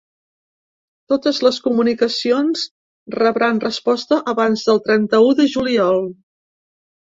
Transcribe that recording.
Totes les comunicacions rebran resposta abans del trenta-u de juliol.